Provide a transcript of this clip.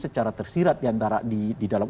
secara tersirat di dalam